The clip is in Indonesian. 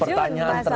jun masa lalu